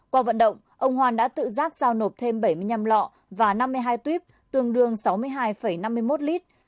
qua vận động ông hoan đã tự giác giao nộp thêm bảy mươi năm lọ và năm mươi hai tuyếp tương đương sáu mươi hai năm mươi một lít